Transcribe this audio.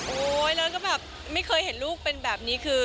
แล้วก็แบบไม่เคยเห็นลูกเป็นแบบนี้คือ